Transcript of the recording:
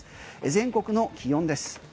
全国の気温です。